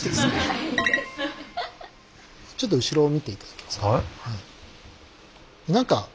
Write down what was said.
ちょっと後ろを見て頂けますか。